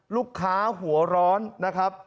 ลูกค้าหัวร้อนนะครับ